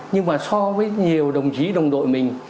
nhưng mà so với nhiều đồng chí đồng đội mình